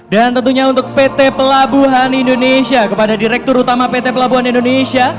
tentunya untuk pt pelabuhan indonesia kepada direktur utama pt pelabuhan indonesia